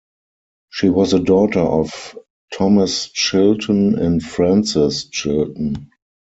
She was the daughter of Thomas Chilton and Frances Chilton.